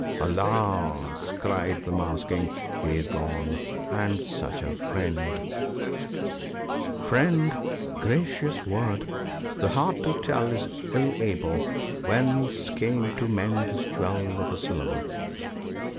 " Alas !" cried the Mouse king, " he is gone !— and such a friend !" Friend ! gracious word !— the heart to tell is ill able Whence came to men this jewel of a syllable."